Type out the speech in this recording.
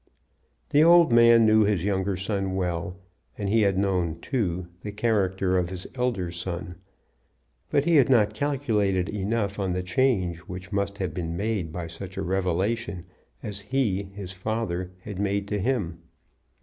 The old man knew his younger son well, and he had known, too, the character of his elder son; but he had not calculated enough on the change which must have been made by such a revelation as he, his father, had made to him.